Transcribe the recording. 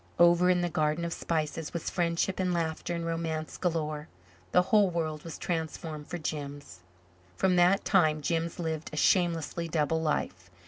Over in the Garden of Spices was friendship and laughter and romance galore. The whole world was transformed for Jims. From that time Jims lived a shamelessly double life.